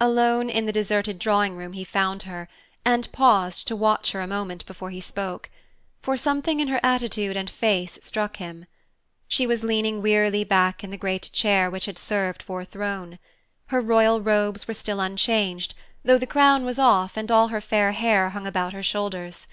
Alone in the deserted drawing room he found her, and paused to watch her a moment before he spoke; for something in her attitude and face struck him. She was leaning wearily back in the great chair which had served for a throne. Her royal robes were still unchanged, though the crown was off and all her fair hair hung about her shoulders.